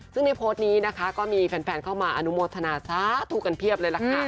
ซึ่งในโพสต์นี้นะคะก็มีแฟนเข้ามาอนุโมทนาสาธุกันเพียบเลยล่ะค่ะ